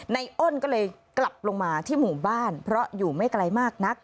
อ้นก็เลยกลับลงมาที่หมู่บ้านเพราะอยู่ไม่ไกลมากนัก